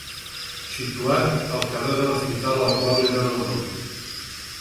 Situat al carrer de l'Hospital, al qual li dóna el nom.